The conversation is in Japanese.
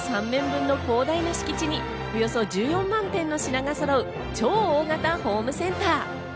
サッカーコートおよそ３面分の広大な敷地におよそ１４万点の品が揃う超大型ホームセンター。